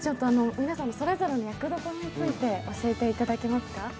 皆さんのそれぞれの役どころについて教えていただけますか？